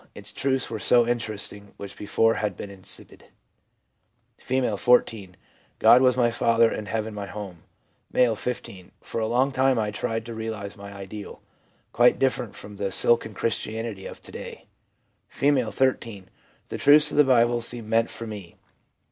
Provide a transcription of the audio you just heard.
Its truths were so interesting which before had been insipid.' F., 14. 'God was my Father and heaven my home.' M., 15. 1 For a long time I tried to realise my ideal, quite different from the silken Christianity of to day.' F., 13. ' The truths of the Bible seemed meant for me.